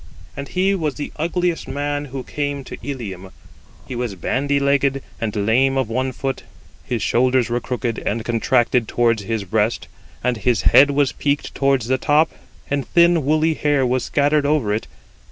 And he was the ugliest man who came to Ilium. He was bandy legged, 95 and lame of one foot; his shoulders were crooked, and contracted towards his breast; and his head was peaked 96 towards the top, and thin woolly hair was scattered over it.